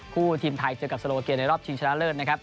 คู่ทีมไทยเจอกับสโลวะเกียร์ในรอบชิงชนะเลิศนะครับ